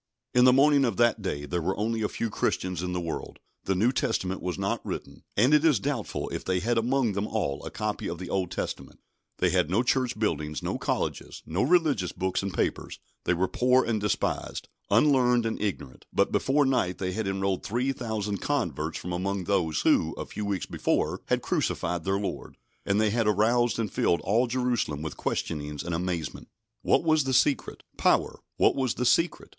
In the morning of that day there were only a few Christians in the world; the New Testament was not written, and it is doubtful if they had among them all a copy of the Old Testament; they had no church buildings, no colleges, no religious books and papers; they were poor and despised, unlearned and ignorant; but before night they had enrolled three thousand converts from among those who, a few weeks before, had crucified their Lord, and they had aroused and filled all Jerusalem with questionings and amazement. What was the secret? Power. What was the secret?